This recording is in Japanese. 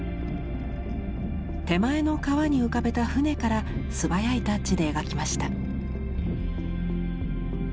手前の川に浮かべた舟から素早いタッチで描きました。